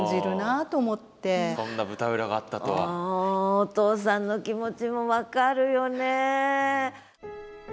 お父さんの気持ちも分かるよね。